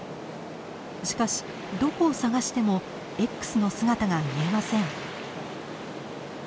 しかしどこを捜してもＸの姿が見えません。